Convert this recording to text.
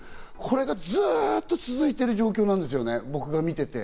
これがずっと続いている状況、僕が見ていて。